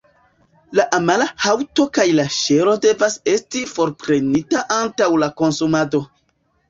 La amara haŭto kaj la ŝelo devas esti forprenita antaŭ la konsumado.